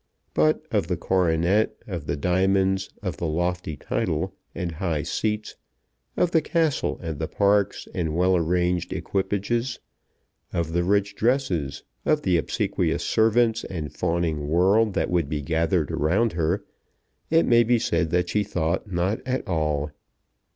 But of the coronet, of the diamonds, of the lofty title, and high seats, of the castle, and the parks, and well arranged equipages, of the rich dresses, of the obsequious servants, and fawning world that would be gathered around her, it may be said that she thought not at all.